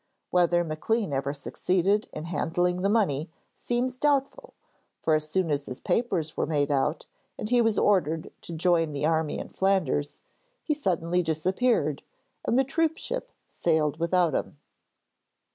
Whether Maclean ever succeeded in handling the money seems doubtful, for as soon as his papers were made out and he was ordered to join the army in Flanders, he suddenly disappeared, and the troopship sailed without him.